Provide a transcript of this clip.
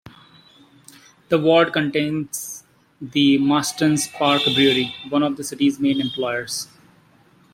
The ward contains the Marstons Park Brewery, one of the city's main employers.